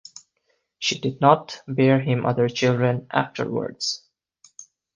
She did not bear him other children afterwards.